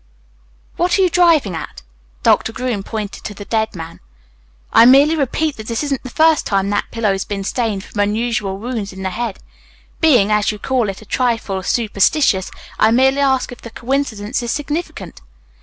"What are you driving at?" Doctor Groom pointed to the dead man. "I merely repeat that it isn't the first time that pillow's been stained from unusual wounds in the head. Being, as you call it, a trifle superstitious, I merely ask if the coincidence is significant."